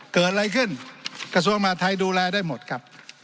เกิดอะไรขึ้นกระทรวงมหาธัยดูแลได้หมดครับ